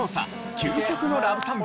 究極のラブソング